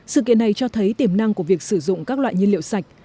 sự kiện này cho thấy tiềm năng của việc sử dụng các loại nhiên liệu sạch